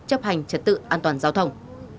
chấp hành trật tự an toàn giao thông